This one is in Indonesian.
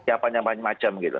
siapanya macam macam gitu